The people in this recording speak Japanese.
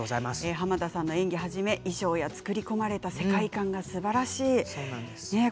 濱田さんの演技はじめ衣装、作り込まれた世界観がすばらしいです。